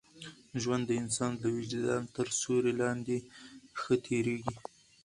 ژوند د انسان د وجدان تر سیوري لاندي ښه تېرېږي.